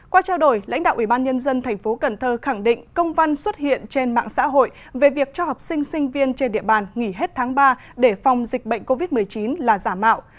qua trao đổi lãnh đạo ubnd tp cần thơ khẳng định công văn xuất hiện trên mạng xã hội về việc cho học sinh sinh viên trên địa bàn nghỉ hết tháng ba để phòng dịch bệnh covid một mươi chín là giả mạo